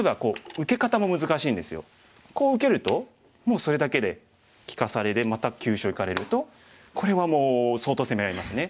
こう受けるともうそれだけで利かされでまた急所いかれるとこれはもう相当攻め合いますね。